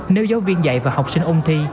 nếu giáo viên dạy và học sinh ôn thi